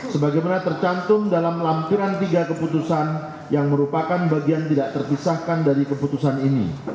sebagaimana tercantum dalam lampiran tiga keputusan yang merupakan bagian tidak terpisahkan dari keputusan ini